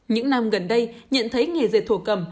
những năm gần đây nhận thấy nghề dệt thổ cầm